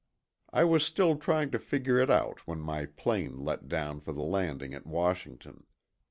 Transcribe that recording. I was still trying to figure it out when my plane let down for the landing at Washington.